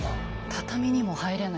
畳にも入れない。